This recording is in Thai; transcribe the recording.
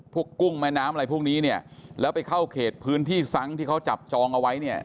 กุ้งแม่น้ำอะไรพวกนี้เนี่ยแล้วไปเข้าเขตพื้นที่ซั้งที่เขาจับจองเอาไว้เนี่ย